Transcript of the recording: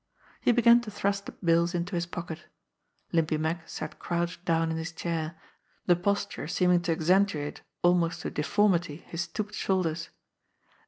He began to thrust the bills into his pockets. Limpy Mack sat crouched down in his chair, the posture seeming to accentuate almost to deformity his stooped shoulders.